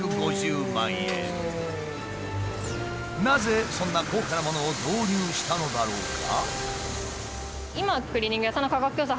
なぜそんな高価なものを導入したのだろうか？